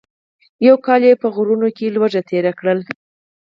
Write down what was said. یو کال یې په غرونو کې لوږه تېره کړه.